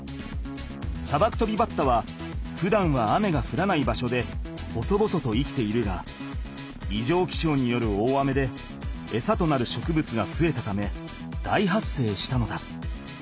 サバクトビバッタはふだんは雨がふらない場所で細々と生きているがいじょうきしょうによる大雨でエサとなる植物がふえたため大発生したのだ。